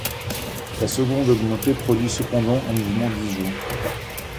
La seconde augmentée produit cependant un mouvement disjoint.